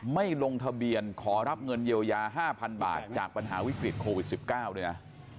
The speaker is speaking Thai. ไม่ลงทะเบียนขอรับเงินเยียวยา๕๐๐๐บาทจากปัญหาวิกฤตโควิด๑๙ด้วยนะ